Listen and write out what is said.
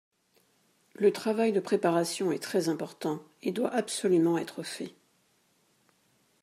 Le travail de préparation est très important et doit absolument être fait